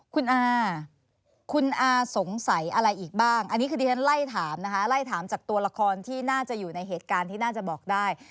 คุณอาคุณอาสงสัยอะไรอีกบ้างอันนี้คือที่ฉันไล่ถามนะคะไล่ถามจากตัวละครที่น่าจะอยู่ในเหตุการณ์ที่น่าจะบอกได้